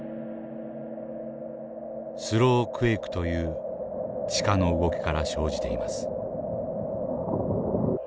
スロークエイクという地下の動きから生じています。